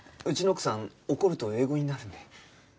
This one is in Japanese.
うちの奥さん怒ると英語になるんで。